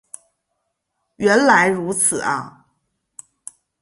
原来如此啊